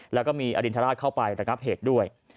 แล้วก็มีอรินทราชเข้าไประงับเหตุด้วย